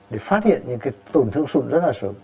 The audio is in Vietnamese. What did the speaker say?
để phát hiện những cái tổn thương sụn rất là sớm